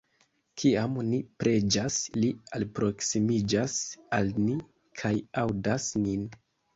Kiam ni preĝas, Li alproksimiĝas al ni, kaj aŭdas nin.